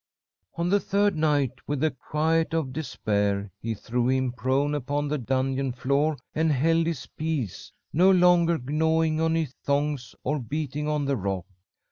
"On the third night, with the quiet of despair he threw him prone upon the dungeon floor and held his peace, no longer gnawing on his thongs or beating on the rock.